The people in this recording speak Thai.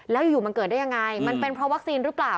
แล้วอยู่มันเกิดได้ยังไงมันเป็นเพราะวัคซีนหรือเปล่า